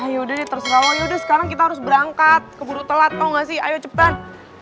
yaudah deh terserah lo yaudah sekarang kita harus berangkat keburu telat tau nggak sih ayo cepetan